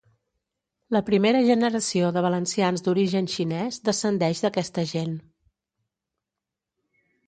La primera generació de valencians d'origen xinès descendeix d'aquesta gent.